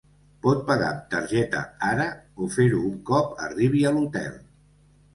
Pot pagar amb targeta ara o fer-ho un cop arribi a l'hotel.